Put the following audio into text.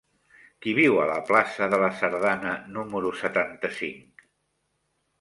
Qui viu a la plaça de la Sardana número setanta-cinc?